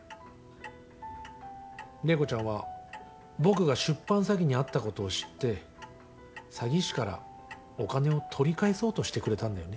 麗子ちゃんは僕が出版詐欺に遭ったことを知って詐欺師からお金を取り返そうとしてくれたんだよね。